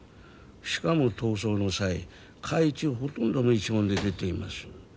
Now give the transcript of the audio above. しかも逃走の際懐中ほとんど無一文で出ています。